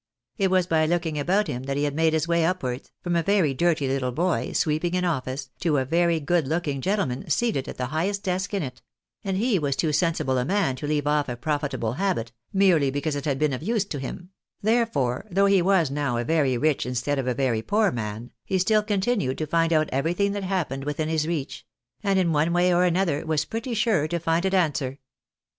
It was by look ing about him that he had made his way upwards, from a very dirty little boy, sweeping an office, to a very good looking gentle man seated at the highest desk in it ; and he was too sensible a man to leave off a profitable habit, merely because it had been of use to him ; therefore, though he was now a very rich instead of a very poor man, he still continued to find out everything that happened within his reach ; and, in one way or anotlier, was pretty sure to find it answer.